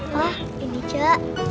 hah ini cak